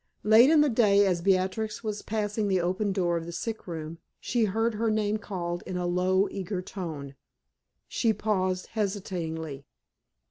Late in the day, as Beatrix was passing the open door of the sick room, she heard her name called in a low, eager tone. She paused hesitatingly.